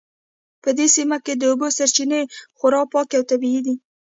په دې سیمه کې د اوبو سرچینې خورا پاکې او طبیعي دي